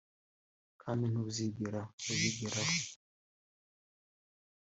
kandi ntuzigera ubigeraho